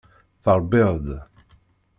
Terbiḍ-d.